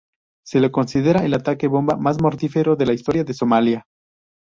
Se lo considera el ataque bomba más mortífero de la historia de Somalia.